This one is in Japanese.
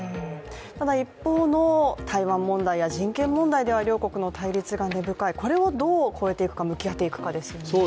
ただ一方の台湾問題や事件問題では両国の対立が根深い、これをどう超えていくか、向き合っていくかですよね。